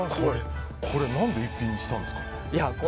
これ、何で逸品にしたんですか？